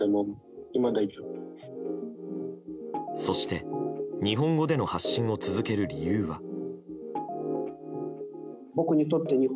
そして、日本語での発信を続ける理由は。